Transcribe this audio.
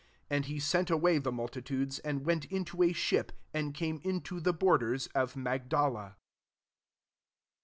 39 And he sent away the mul titudes, and went into a ship, and came into the borders of Magdala.